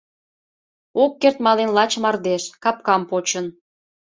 Ок керт мален лач мардеж: капкам почын